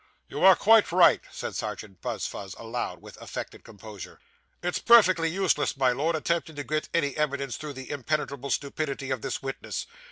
'You are quite right,' said Serjeant Buzfuz aloud, with affected composure. 'It's perfectly useless, my Lord, attempting to get at any evidence through the impenetrable stupidity of this witness.